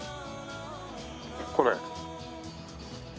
これ。